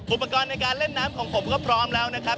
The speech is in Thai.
อุปกรณ์ในการเล่นน้ำของผมก็พร้อมแล้วนะครับ